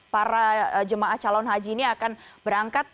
para jemaah calon haji ini akan berangkat